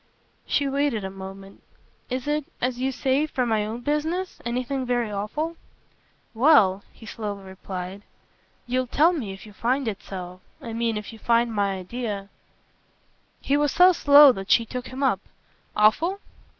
She waited a moment. "Is it, as you say for my own business, anything very awful?" "Well," he slowly replied, "you'll tell me if you find it so. I mean if you find my idea " He was so slow that she took him up. "Awful?"